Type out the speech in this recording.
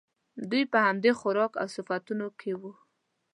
دوی په همدې خوراک او صفتونو کې وو.